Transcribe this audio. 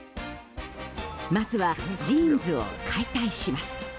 まずはジーンズを解体します。